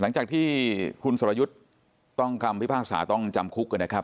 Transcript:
หลังจากที่คุณสอรยุทธ์ต้องกรรมพิพากษาต้องจำคุก